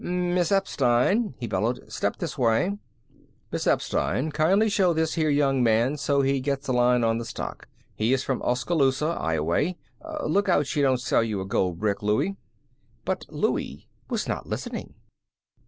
"Miss Epstein!" he bellowed, "step this way! Miss Epstein, kindly show this here young man so he gets a line on the stock. He is from Oskaloosa, Ioway. Look out she don't sell you a gold brick, Louie." But Louie was not listening.